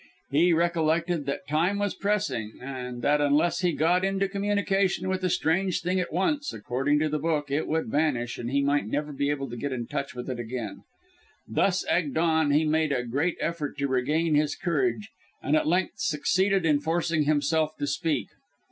He recollected that time was pressing, and that unless he got into communication with the strange thing at once, according to the book, it would vanish and he might never be able to get in touch with it again. Thus egged on, he made a great effort to regain his courage, and at length succeeded in forcing himself to speak.